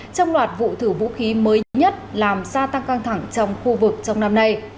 trong loạt vụ thử vũ khí mới nhất làm gia tăng căng thẳng trong khu vực trong năm nay